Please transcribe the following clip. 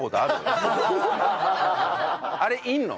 あれいるの？